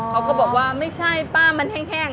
เขาก็บอกว่าไม่ใช่ป้ามันแห้ง